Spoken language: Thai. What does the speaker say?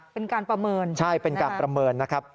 เป็นการประเมินใช่เป็นการประเมินนะครับ